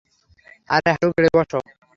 আরে, হাঁটু গেড়ে বসো।